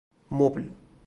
مبل